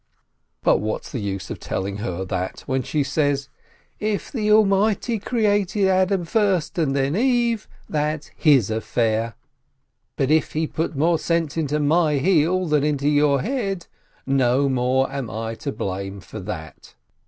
But what's the use of telling her that, when she says, "If the Almighty created Adam first and then Eve, that's His affair, but if he put more GYMNASIYE 163 sense into my heel than into your head, no more am I to blame for that